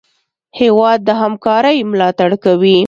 هېواد د همکارۍ ملاتړ کوي.